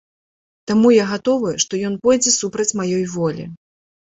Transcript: Таму я гатовы, што ён пойдзе супраць маёй волі.